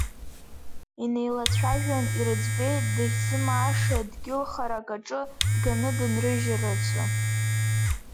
Инеилацәажәан ирыӡбеит, дахьзымааша дгьыл харак аҿы дганы дынрыжьрацы.